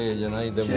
でも。